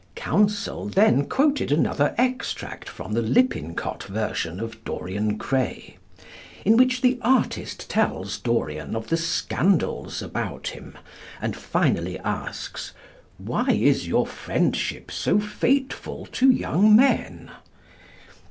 Counsel then quoted another extract from the Lippincott version of "Dorian Gray," in which the artist tells Dorian of the scandals about him, and finally asks, "Why is your friendship so fateful to young men?"